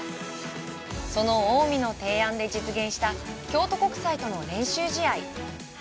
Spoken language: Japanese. その近江の提案で実現した京都国際との練習試合。